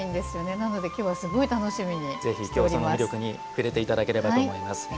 なので今日はぜひ今日その魅力に触れていただければと思います。